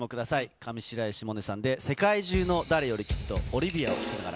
上白石萌音さんで、世界中の誰よりきっと、オリビアを聴きながら。